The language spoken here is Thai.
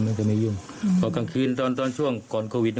จะไม่ยุ่งเพราะกลางคืนตอนตอนช่วงก่อนโควิด